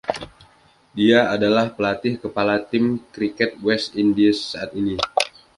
Dia adalah pelatih kepala tim kriket West Indies saat ini.